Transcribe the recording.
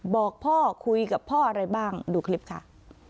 บอกพ่อคุยกับพ่ออะไรบ้างดูคลิปค่ะ